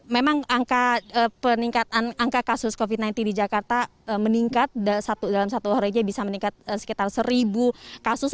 memang angka peningkatan angka kasus covid sembilan belas di jakarta meningkat dalam satu harinya bisa meningkat sekitar seribu kasus